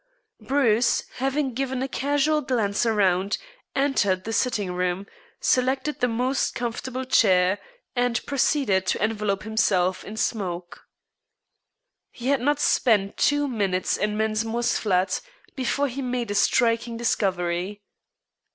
Bruce, having given a casual glance around, entered the sitting room, selected the most comfortable chair, and proceeded to envelope himself in smoke. He had not spent two minutes in Mensmore's flat before he made a striking discovery.